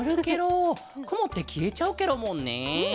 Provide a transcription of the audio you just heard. くもってきえちゃうケロもんね。